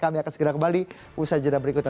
kami akan segera kembali usai jadwal berikutnya